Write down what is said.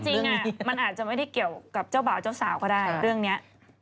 จริงมันอาจจะไม่ได้เกี่ยวกับเจ้าบ่าวเจ้าสาวก็ได้เรื่องนี้